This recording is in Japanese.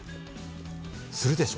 するでしょ？